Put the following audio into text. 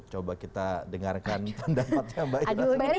coba kita dengarkan pendapatnya mbak ira